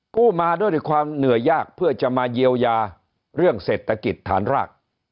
กู้มาด้วยความเหนื่อยยากเพื่อจะมาเยียวยาเรื่องเศรษฐกิจฐานราก